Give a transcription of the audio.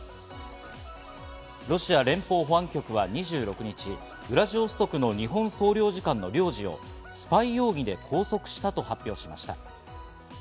ロシア連邦保安局は２６日、ウラジオストクの日本国総領事館の領事をスパイ容疑で拘束したと発表しました。